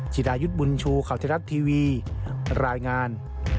ดายุทธ์บุญชูข่าวไทยรัฐทีวีรายงาน